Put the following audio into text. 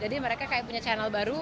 jadi mereka kayak punya channel baru